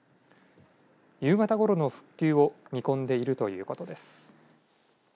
夕方ごろの復旧を見込んでいるということです。